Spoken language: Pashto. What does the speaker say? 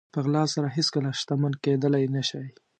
په غلا سره هېڅکله شتمن کېدلی نه شئ.